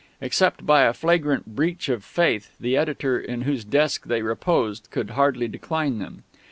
Except by a flagrant breach of faith, the editor in whose desk they reposed could hardly decline them.